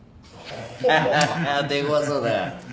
ハハハハ手ごわそうだ。